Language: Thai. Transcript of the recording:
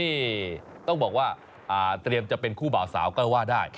นี่ต้องบอกว่าเตรียมจะเป็นคู่บ่าวสาวก็ว่าได้